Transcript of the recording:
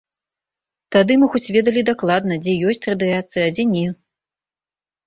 Тады мы хоць ведалі дакладна, дзе ёсць радыяцыя, а дзе не.